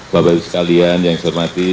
bapak ibu sekalian yang saya hormati